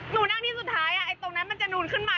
หนูนั่งที่สุดท้ายตรงนั้นมันจะนูนขึ้นมา